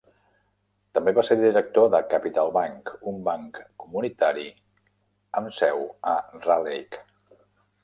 També va ser director de Capital Bank, un banc comunitari amb seu a Raleigh.